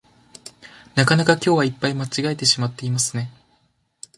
なかなか今日はいっぱい間違えてしまっていますね